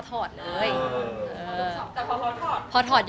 แฟนคลับของคุณไม่ควรเราอะไรไง